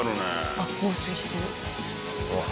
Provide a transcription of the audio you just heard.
あっ放水してる。